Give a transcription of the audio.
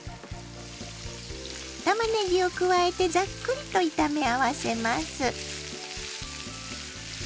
たまねぎを加えてざっくりと炒め合わせます。